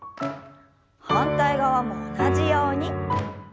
反対側も同じように。